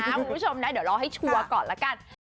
คุณผู้ชมนะเดี๋ยวรอให้ชัวร์ก่อนละกัน